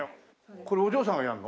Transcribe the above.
これお嬢さんがやるの？